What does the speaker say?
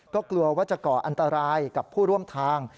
ก็กลัวว่าจะก่ออันตรายกับผู้ร่วมทาง